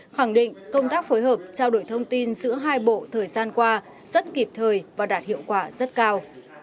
khẳng định công tác phối hợp trao đổi thông tin giữa hai bộ thời gian qua rất kịp thời và đạt hiệu quả rất cao